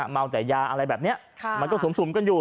เมาแต่ยาอะไรแบบนี้มันก็สุ่มกันอยู่